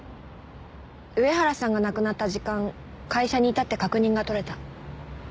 上原さんが亡くなった時間会社にいたって確認が取れた。